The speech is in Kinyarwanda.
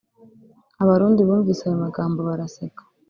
Abarundi bumvise ayo magambo baraseka